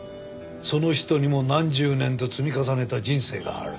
その人にも何十年と積み重ねた人生がある。